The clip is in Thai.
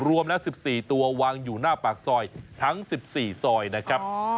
รวมแล้ว๑๔ตัววางอยู่หน้าปากซอยทั้ง๑๔ซอยนะครับ